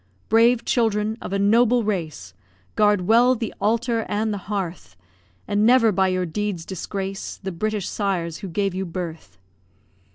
Brave children of a noble race, Guard well the altar and the hearth; And never by your deeds disgrace The British sires who gave you birth.